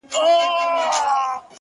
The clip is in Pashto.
• ټولوي مینه عزت او دولتونه ,